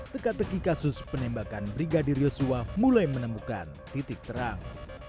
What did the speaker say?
teka teki kasus penembakan brigadir yosua mulai menemukan titik terang